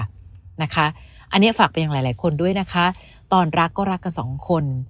อันนี้ฝากไปยังหลายคนด้วยนะคะตอนรักก็รักกันสองคน